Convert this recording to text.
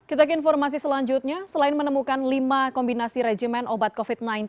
kita ke informasi selanjutnya selain menemukan lima kombinasi rejimen obat covid sembilan belas